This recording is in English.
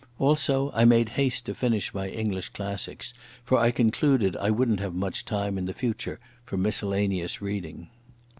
Also I made haste to finish my English classics, for I concluded I wouldn't have much time in the future for miscellaneous reading.